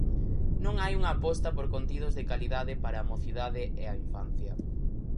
Non hai unha aposta por contidos de calidade para a mocidade e a infancia.